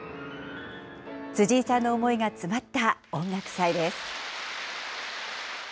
辻井さんの思いが詰まった音楽祭です。